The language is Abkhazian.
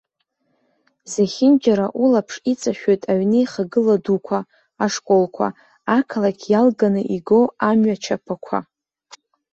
Захьынџьара улаԥш иҵашәоит аҩнеихагыла дуқәа, ашколқәа, ақалақь иалганы игоу амҩачаԥақәа.